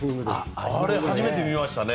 あれ、初めて見ましたね。